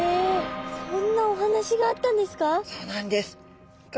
そんなお話があったんですか？